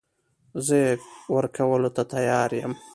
زه يې ورکولو ته تيار يم .